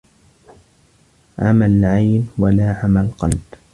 عمى العين ولا عمى القلب